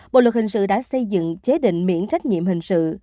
bộ luật hình sự đã xây dựng chế định miễn trách nhiệm hình sự